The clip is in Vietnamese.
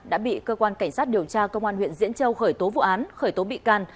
đã bị cơ quan cảnh sát điều tra công an huyện diễn châu khởi tố vụ án khởi tố bị can